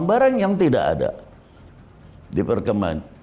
nii pro nii anti maknukan gambar luas gitu